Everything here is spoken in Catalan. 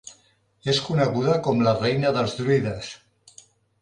És coneguda com "la reina dels druides".